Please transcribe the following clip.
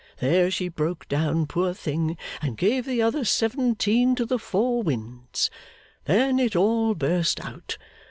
There she broke down, poor thing, and gave the other seventeen to the four winds. Then it all burst out.